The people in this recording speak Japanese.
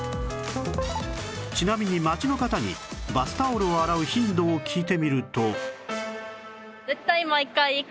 ちなみに街の方にバスタオルを洗う頻度を聞いてみると